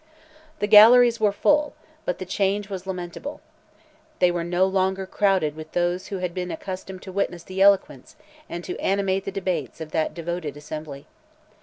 "The galleries were full, but the change was lamentable. They were no longer crowded with those who had been accustomed to witness the eloquence and to animate the debates of that devoted assembly.